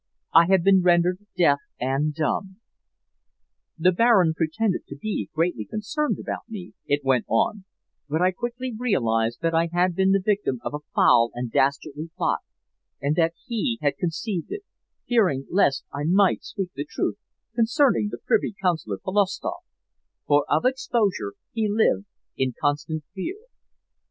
I had been rendered deaf and dumb! "The Baron pretended to be greatly concerned about me," it went on, "but I quickly realized that I had been the victim of a foul and dastardly plot, and that he had conceived it, fearing lest I might speak the truth concerning the Privy Councillor Polovstoff, for of exposure he lived in constant fear.